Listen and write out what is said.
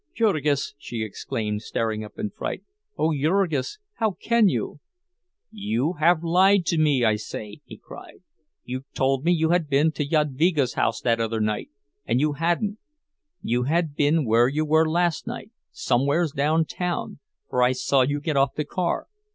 "Jurgis!" she exclaimed, starting up in fright. "Oh, Jurgis, how can you?" "You have lied to me, I say!" he cried. "You told me you had been to Jadvyga's house that other night, and you hadn't. You had been where you were last night—somewheres downtown, for I saw you get off the car.